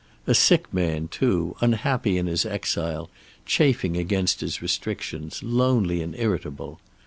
A sick man, too, unhappy in his exile, chafing against his restrictions, lonely and irritable.